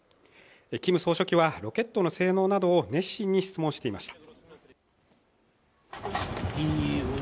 キム総書記はロケットの性能などを熱心に質問していました。